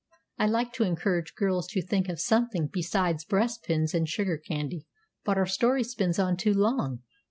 "I like to encourage girls to think of something besides breastpins and sugar candy." But our story spins on too long.